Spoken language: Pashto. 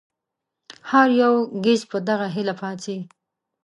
هر يو ګهيځ په دغه هيله پاڅي